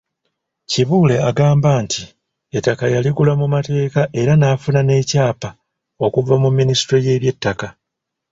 Kibuule agamba nti ettaka yaligula mu mateeka era n’afuna n’ekyapa okuva mu Minisitule y’Eby'ettaka.